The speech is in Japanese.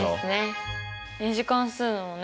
２次関数のね